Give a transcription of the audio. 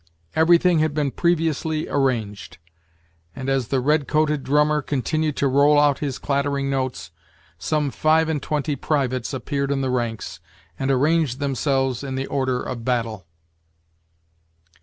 Everything had been previously arranged, and, as the red coated drummer continued to roll out his clattering notes, some five and twenty privates appeared in the ranks, and arranged themselves in the order of battle.